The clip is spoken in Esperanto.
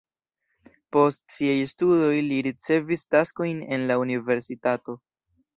Post siaj studoj li ricevis taskojn en la universitato.